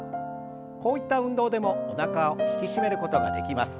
こういった運動でもおなかを引き締めることができます。